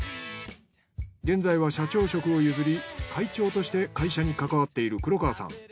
現在は社長職を譲り会長として会社に関わっている黒川さん。